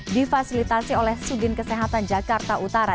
difasilitasi oleh sudin kesehatan jakarta utara